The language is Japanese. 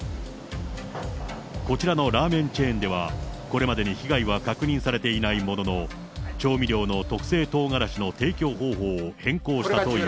こちらのラーメンチェーンでは、これまでに被害は確認されていないものの、調味料の特製とうがらしの提供方法を変更したという。